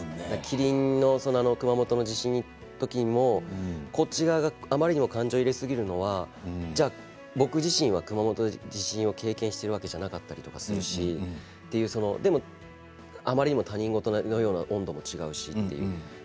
キリンの熊本の地震の時もこちらがあまりにも感情を入れすぎるのは僕自身は熊本の地震を経験しているわけではなかったですしでも、あまりにも他人事だといけないし。